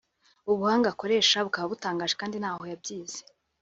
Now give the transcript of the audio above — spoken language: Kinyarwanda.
ubuhanga akoresha bukaba butangaje kandi ntaho yabyize